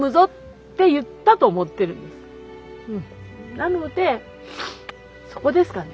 なのでそこですかね。